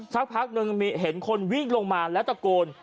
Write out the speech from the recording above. สักพักหนึ่งเห็นคนวิ่งลงมาแล้วตะโกน